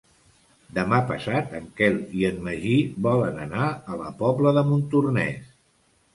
Demà passat en Quel i en Magí volen anar a la Pobla de Montornès.